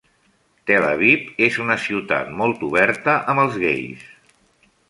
Tel Aviv és una ciutat molt oberta amb els gais.